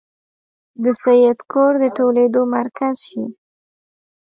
د سید کور د ټولېدلو مرکز شي.